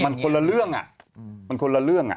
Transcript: ซึ่งโอ้โหมันคนละเรื่องน่ะ